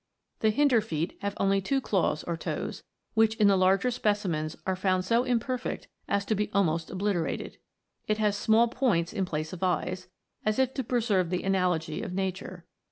The hinder feet have only two claws or toes, which in the larger specimens are found so imperfect as to be almost obliterated. It has small points in place of eyes, as if to preserve the analogy of nature.